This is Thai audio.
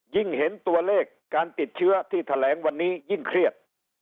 เห็นตัวเลขการติดเชื้อที่แถลงวันนี้ยิ่งเครียด